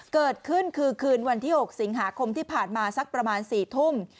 เกิดขึ้นคือคืนวันที่๖สิงหาคมที่ผ่านมาสักประมาณ๔ทุ่ม